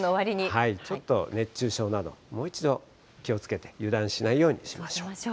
ちょっと熱中症など、もう一度気をつけて、油断しないようにしましょう。